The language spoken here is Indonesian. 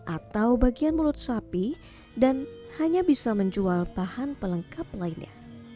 atau bagian mulut sapi dan hanya bisa menjual bahan pelengkap lainnya